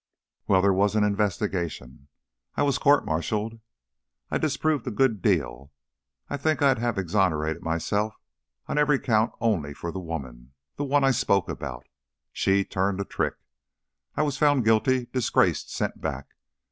"Well, there was an investigation. I was court martialed. I disproved a good deal; I think I'd have exonerated myself on every count only for the woman that one I spoke about. She turned the trick. I was found guilty, disgraced, sent back.